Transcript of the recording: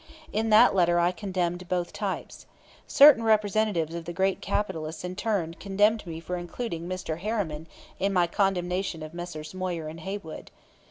In that letter I condemned both types. Certain representatives of the great capitalists in turn condemned me for including Mr. Harriman in my condemnation of Messrs. Moyer and Haywood.